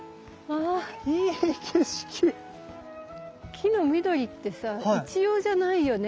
木の緑ってさ一様じゃないよね。